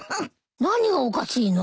何がおかしいの？